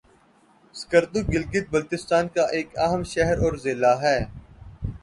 سکردو گلگت بلتستان کا ایک اہم شہر اور ضلع ہے